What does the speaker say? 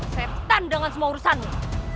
setan dengan semua urusanmu